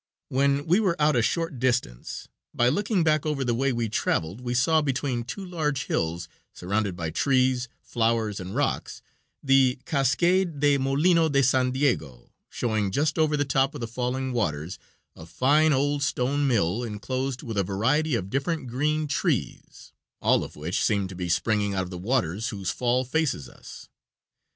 When we were out a short distance, by looking back over the way we traveled, we saw between two large hills, surrounded by trees, flowers and rocks, the Cascade del Molino de San Diego, showing just over the top of the falling waters a fine old stone mill inclosed with a variety of different green trees, all of which seem to be springing out of the waters whose fall faces us.